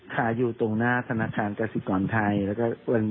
ขายอยู่ตรงหน้าสนัททานกราศิกรไทย